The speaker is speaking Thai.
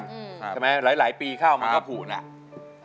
ใช่ไหมหลายปีเข้ามันก็ผูดแล้ว